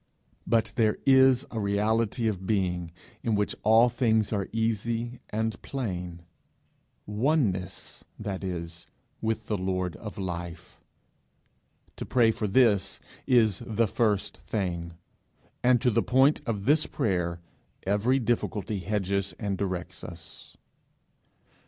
But there is a reality of being in which all things are easy and plain oneness, that is, with the Lord of Life; to pray for this is the first thing; and to the point of this prayer every difficulty hedges and directs us.